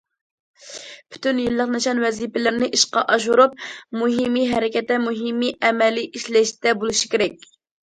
پۈتۈن يىللىق نىشان، ۋەزىپىلەرنى ئىشقا ئاشۇرۇپ، مۇھىمى ھەرىكەتتە، مۇھىمى ئەمەلىي ئىشلەشتە بولۇشى كېرەك.